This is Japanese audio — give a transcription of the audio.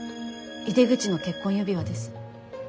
井出口の結婚指輪です。